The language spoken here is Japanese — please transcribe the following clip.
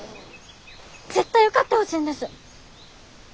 絶対受かってほしいんです。